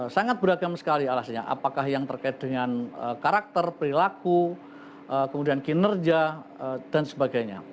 sangat beragam sekali alasannya apakah yang terkait dengan karakter perilaku kemudian kinerja dan sebagainya